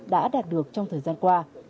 đã đạt được trong thời gian qua